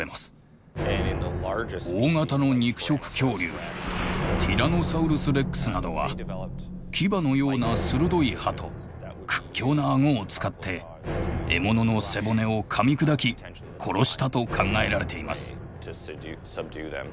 大型の肉食恐竜ティラノサウルス・レックスなどは牙のような鋭い歯と屈強な顎を使って獲物の背骨をかみ砕き殺したと考えられています。